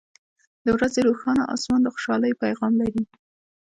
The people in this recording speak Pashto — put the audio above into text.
• د ورځې روښانه آسمان د خوشحالۍ پیغام لري.